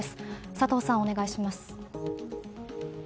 佐藤さん、お願いします。